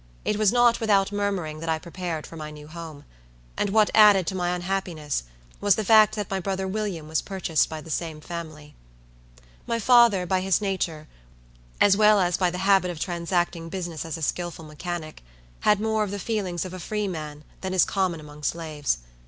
It was not without murmuring that I prepared for my new home; and what added to my unhappiness, was the fact that my brother William was purchased by the same family. My father, by his nature, as well as by the habit of transacting business as a skillful mechanic, had more of the feelings of a freeman than is common among slaves.